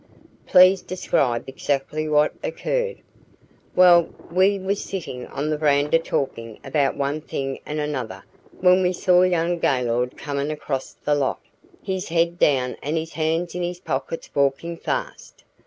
"Please describe exactly what occurred." "Well, we was sittin' on the veranda talkin' about one thing and another when we see young Gaylord comin' across the lot, his head down and his hands in his pockets walkin' fast.